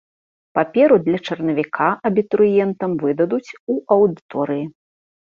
Паперу для чарнавіка абітурыентам выдадуць у аўдыторыі.